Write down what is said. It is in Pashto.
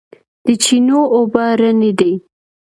د چینو اوبه رڼې دي